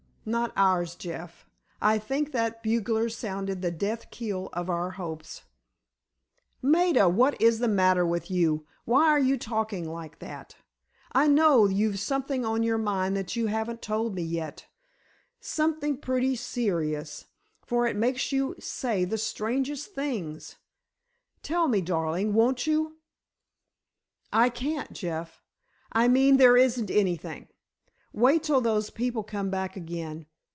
"Not ours, Jeff. I think that bugler sounded the death knell of our hopes." "Maida! What is the matter with you? Why are you talking like that? I know you've something on your mind that you haven't told me yet. Something pretty serious, for it makes you say the strangest things! Tell me, darling, won't you?" "I can't, Jeff. I mean, there isn't anything. Wait till those people come back again.